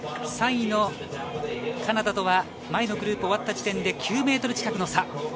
３位のカナダとは前のグループが終わった時点で９ｍ近くの差。